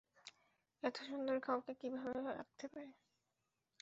এতো সুন্দর কাউকে কিভাবে লাগতে পারে?